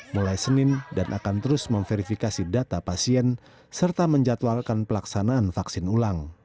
mulai senin dan akan terus memverifikasi data pasien serta menjatuhalkan pelaksanaan vaksin ulang